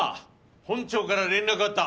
本庁から連絡あった。